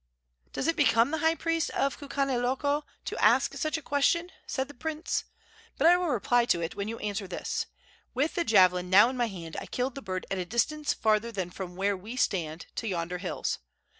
"Does it become the high priest of Kukaniloko to ask such a question?" said the prince. "But I will reply to it when you answer this: With the javelin now in my hand I killed the bird at a distance farther than from where we stand to yonder hills.